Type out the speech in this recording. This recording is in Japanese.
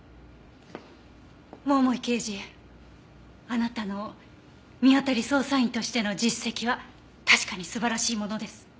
桃井刑事あなたの見当たり捜査員としての実績は確かに素晴らしいものです。